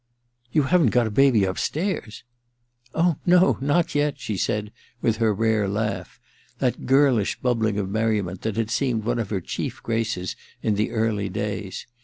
You haven't got a baby upstairs ?'* Oh, no^not yet^ she said, with her rare laugh — the girlish bubbling of merriment that had seemed one of her chief graces in the early dajrs.